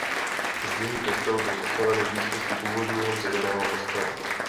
Zděný kostel byl postaven v blízkosti původního dřevěného kostela.